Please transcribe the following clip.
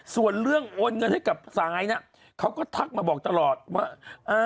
ส่วนเรื่องโอนเงินให้กับซายนะเขาก็ทักมาบอกตลอดว่า